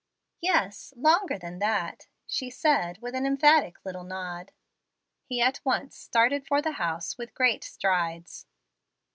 "Yes; longer than that," she said, with an emphatic little nod. He at once started for the house with great strides.